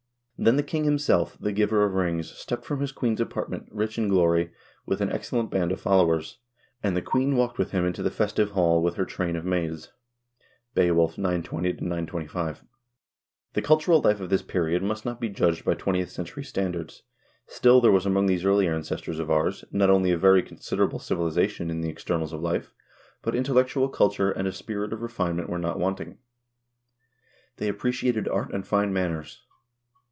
"Then the king himself, the giver of rings, stepped from his queen's apartment, rich in glory, with an excellent band of followers, and the queen walked with him into the festive hall with her train of maids." — "Be6wulf," 920 925. The cultural life of this period must not be judged by twentieth century standards, still there was among these early ancestors of ours, not only a very considerable civilization in the externals of life, THE MIGRATIONS 33 but intellectual culture and a spirit of refinement were not wanting. They appreciated art and fine manners.